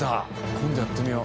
今度やってみよう。